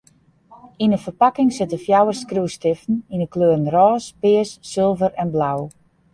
Yn in ferpakking sitte fjouwer skriuwstiften yn 'e kleuren rôs, pears, sulver en blau.